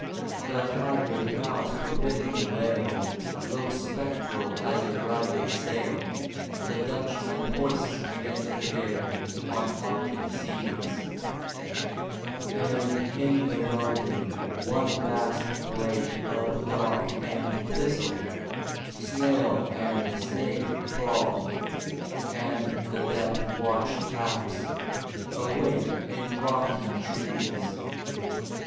The haggard house within the vale Looks spectral as a ragged sail The Dutchman hoists against the gale On haunted seas: And in the garden, one vast brake Of dock and thistle, snail and snake Crawl; and the death watch taps, awake In rotting trees.